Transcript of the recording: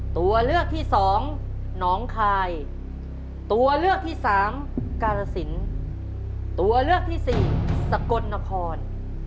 ตัวเลือกที่สองหนองคายตัวเลือกที่สามกาลสินตัวเลือกที่สี่สกลนคร